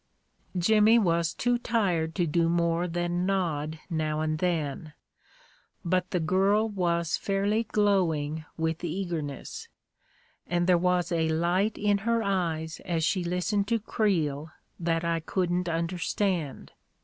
Jimmy was too tired to do more than nod now and then; but the girl was fairly glowing with eagerness, and there was a light in her eyes as she listened to Creel that I couldn't understand.